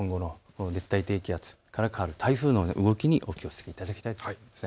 熱帯低気圧から変わる台風の動きにお気をつけいただきたいと思います。